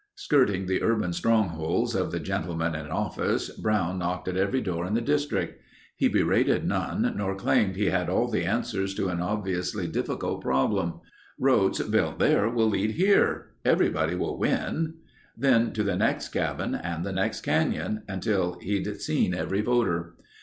Skirting the urban strongholds of the gentlemen in office Brown knocked at every door in the district. He berated none nor claimed he had all the answers to an obviously difficult problem. "... Roads built there will lead here. Everybody will gain...." Then to the next cabin and the next canyon until he'd seen every voter.